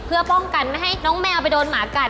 เพื่อป้องกันไม่ให้น้องแมวไปโดนหมากัด